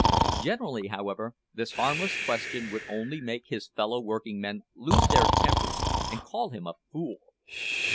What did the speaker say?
Generally, however, this harmless question would only make his fellow workingmen lose their tempers and call him a fool.